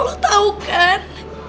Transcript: lo tau kan